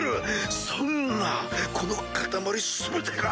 そんなこの塊全てが⁉